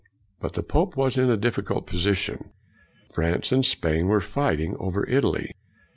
But the pope was in a difficult position. France and Spain were fighting over Italy.